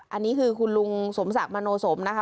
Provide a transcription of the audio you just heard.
อันนี้คือคุณลุงสมศักดิ์มโนสมนะคะ